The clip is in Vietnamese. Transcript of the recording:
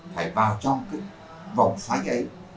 phải vào trong cái vòng xoáy dây